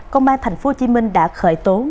công an thành phố hồ chí minh đã khởi tố